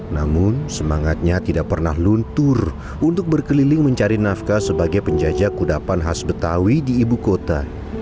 namun semangatnya tidak pernah luntur untuk berkeliling mencari nafkah sebagai penjajah kudapan khas betawi di ibu kota